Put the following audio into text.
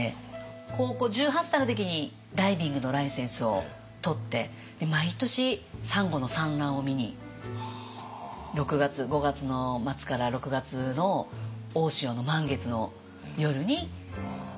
高校１８歳の時にダイビングのライセンスを取って毎年サンゴの産卵を見に５月の末から６月の大潮の満月の夜にダイビングをしに。